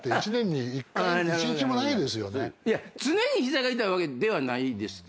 常に膝が痛いわけではないですよね。